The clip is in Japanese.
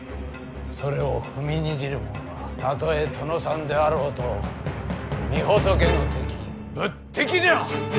それを踏みにじるもんはたとえ殿さんであろうと御仏の敵仏敵じゃ！